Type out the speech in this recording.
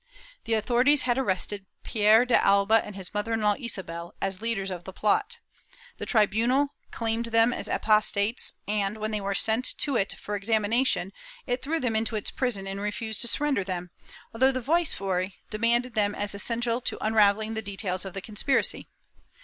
The authorities had arrested Pere de Alba and his mother in law Isabel, as the leaders of the plot. The tribunal claimed them as apostates and, when they were sent to it for exami nation, it threw them into its prison and refused to surrender them, although the viceroy demanded them as essential to unravelling the details of the conspiracy.